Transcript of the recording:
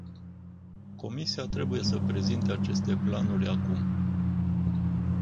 Comisia trebuie să prezinte aceste planuri acum.